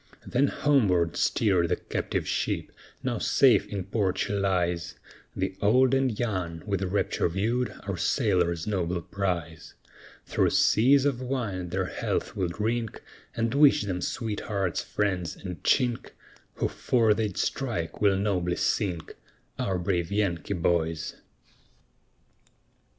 Then homeward steered the captive ship, now safe in port she lies, The old and young with rapture viewed our sailors' noble prize; Through seas of wine their health we'll drink, And wish them sweet hearts, friends, and chink, Who 'fore they'd strike, will nobly sink Our brave Yankee boys.